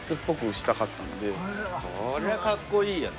これはかっこいいよね。